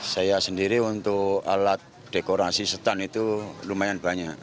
saya sendiri untuk alat dekorasi setan itu lumayan banyak